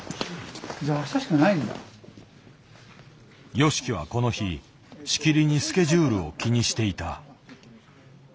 ＹＯＳＨＩＫＩはこの日しきりにスケジュールを気にしていた。